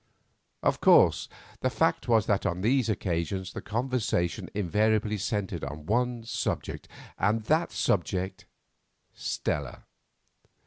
Of course, the fact was that on these occasions the conversation invariably centred on one subject, and that subject, Stella.